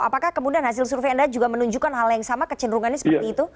apakah kemudian hasil survei anda juga menunjukkan hal yang sama kecenderungannya seperti itu